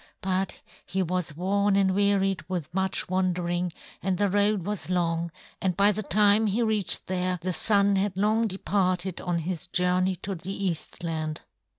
But he was worn and wearied with much wandering, and the road was long; and by the time he reached there, the Sun had long departed on his journey to the Eastland."